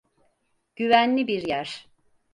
Güvenli bir yer.